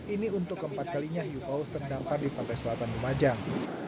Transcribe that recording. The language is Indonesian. ini untuk keempat kalinya hiu paus terdampar di pantai selatan lumajang